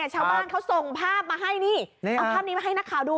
ชาวบ้านเขาส่งภาพมาให้ดู